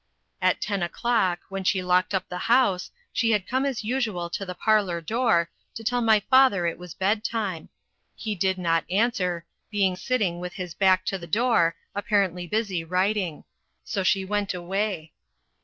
At ten o'clock, when she had locked up the house, she had come as usual to the parlour door, to tell my father it was bed time. He did not answer, being sitting with his back to the door, apparently busy writing. So she went away.